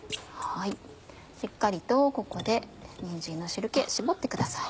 しっかりとここでにんじんの汁気絞ってください。